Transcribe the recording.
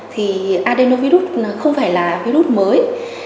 thì adenovirus không phải là virus mới